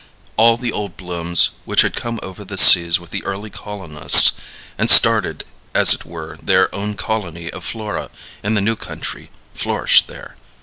All the old blooms which had come over the seas with the early colonists, and started as it were their own colony of flora in the new country, flourished there.